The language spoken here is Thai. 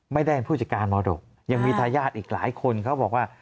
ไม่ได้ผู้จัดการมรดกยังมีทายาทอีกหลายคนเขาบอกว่า